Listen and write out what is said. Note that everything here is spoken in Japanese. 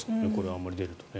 あまり出るとね。